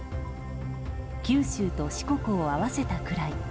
九州と四国を合わせたくらい。